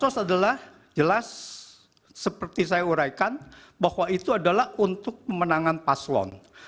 sos adalah jelas seperti saya uraikan bahwa itu adalah untuk pemenangan paslon